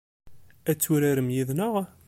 Ad turarem yid-neɣ?